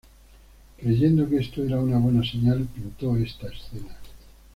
Creyendo que esto era una buena señal, pintó esta escena.